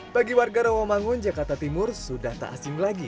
bagi warga rawamangun jakarta timur sudah tak asing lagi